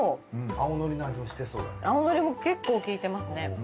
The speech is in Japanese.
青のりも結構効いてますね。